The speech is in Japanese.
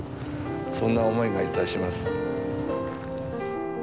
そんな思いが致します。